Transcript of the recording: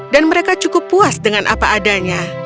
dan mereka cukup puas dengan apa adanya